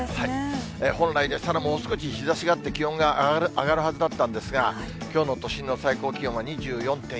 本来でしたら、もう少し日ざしがあって、気温が上がるはずだったんですが、きょうの都心の最高気温は２４．１度。